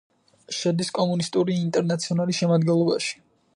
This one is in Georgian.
შედის კომუნისტური ინტერნაციონალის შემადგენლობაში.